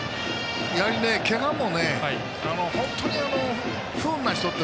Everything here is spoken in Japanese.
やはり、けがも本当に不運な人って